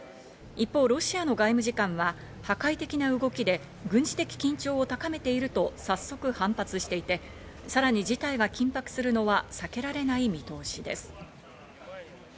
一方、ロシアの外務次官は破壊的な動きで軍事的緊張を高めていると早速反発していて、さらに事態が緊迫するのは避けられない見通しです。